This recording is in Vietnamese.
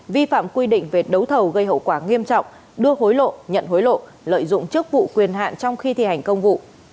vi phạm quy định về đấu thầu gây hậu quả nghiêm trọng đưa hối lộ nhận hối lộ lợi dụng chức vụ quyền hạn trong khi thi hành công vụ